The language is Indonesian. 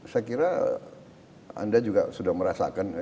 saya kira anda juga sudah merasakan